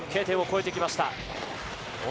Ｋ点を越えてきました。